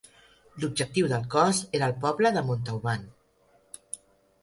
L’objectiu del Cos era el poble de Montauban.